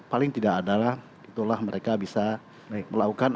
paling tidak adalah itulah mereka bisa melakukan